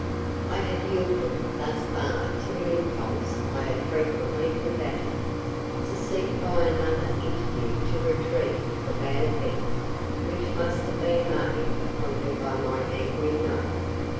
I had yielded thus far to an impulse I had frequently combated, to seek by another interview to retrieve the bad effect which must have been made upon her by my angry note.